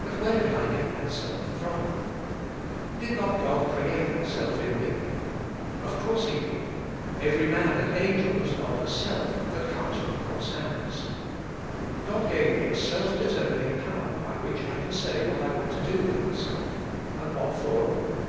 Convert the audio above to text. But where did I get that self from? Did not God create that self in me? Of course He did. Kvery man and angel has got a self that comes from God's hands. God gave me a self determining power by which I can say what I want to do with myself, and what for?